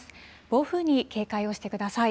暴風に警戒をしてください。